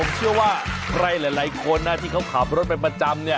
จนกว่าใครหลายคนที่ขับรถประจำยิ้มหน้าบานเลย